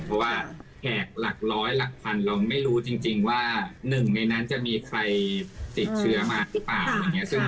เพราะว่าแขกหลักร้อยหลักพันเราไม่รู้จริงว่าหนึ่งในนั้นจะมีใครติดเชื้อมาหรือเปล่าอะไรอย่างนี้